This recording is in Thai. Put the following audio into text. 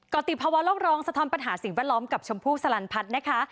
ติดภาวะโลกร้องสะท้อนปัญหาสิ่งแวดล้อมกับชมพู่สลันพัฒน์นะคะ